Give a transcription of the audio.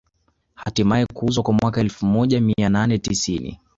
Hatimaye kuuzwa mwaka elfu moja mia nane tisini